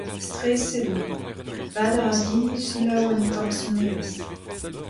Streset on. Vad a ra din selaou un tamm sonerezh.